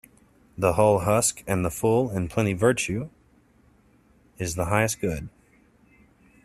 The hull husk and the full in plenty Virtue is the highest good.